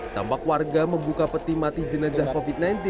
tampak warga membuka peti mati jenazah covid sembilan belas